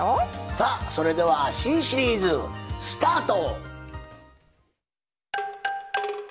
さあそれでは新シリーズスタート！